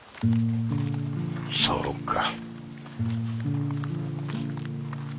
そうか。